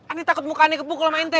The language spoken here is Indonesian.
aneh takut mukanya kepukul sama ente